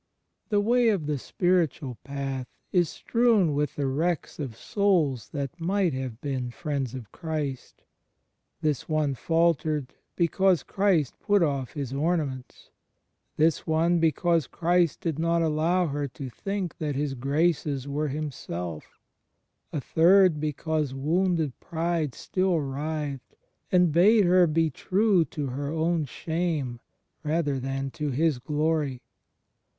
... The way of the spiritual path is strewn with the wrecks of souls that might have been friends of Christ. This one faltered, because Christ put off his ornaments; this one because Christ did not allow her to think that His graces were Himself; a third because woimded pride still writhed, and bade her be true to her own shame rather than to His glory.